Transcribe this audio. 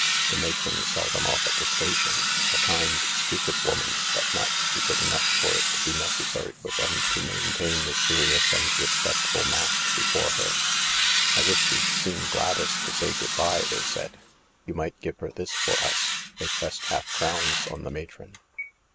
The matron saw them off at the station — a kind, stupid woman, but not stupid enough for it to be necessary for them to maintain the serious and respectful mask before her. " I wish we'd seen Gladys to say good Bye," they said. " You might give her this for us." They pressed half crowns on the matron.